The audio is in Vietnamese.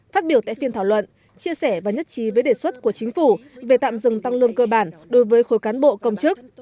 phát biểu tại phiên thảo luận chia sẻ và nhất trí với đề xuất của chính phủ về tạm dừng tăng lương cơ bản đối với khối cán bộ công chức